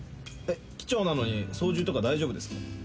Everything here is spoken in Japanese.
機長なのに操縦とか大丈夫ですか？